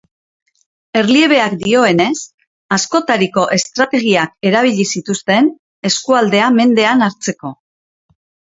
Erliebeak dioenez, askotariko estrategiak erabili zituzten eskualdea mendean hartzeko.